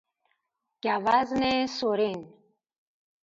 گوزن سرین